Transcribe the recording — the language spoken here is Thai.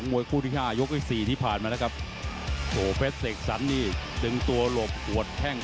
มีเป็นลดหมดเลย